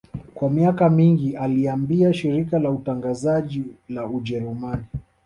Kwa miaka mingi aliiambia shirika la utangazaji la Ujerumani